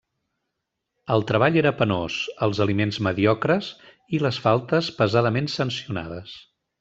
El treball era penós, els aliments mediocres i les faltes pesadament sancionades.